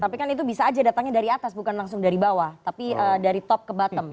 tapi kan itu bisa aja datangnya dari atas bukan langsung dari bawah tapi dari top ke bottom